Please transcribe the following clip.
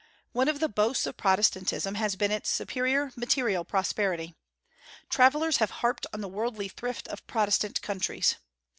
One of the boasts of Protestantism has been its superior material prosperity. Travellers have harped on the worldly thrift of Protestant countries.